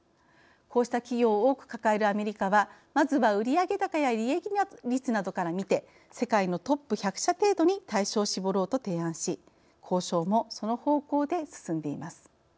こうした企業を多く抱えるアメリカはまずは売上高や利益率などから見て世界のトップ１００社程度に対象を絞ろうと提案し交渉もその方向で進んでいます。